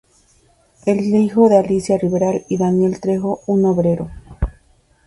Es hijo de Alicia Rivera y Daniel Trejo, un obrero.